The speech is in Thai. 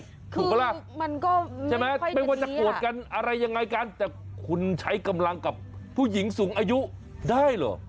ถูกปะล่ะใช่ไหมไม่ว่าจะโกรธกันอะไรยังไงกันแต่คุณใช้กำลังกับผู้หญิงสูงอายุได้เหรอ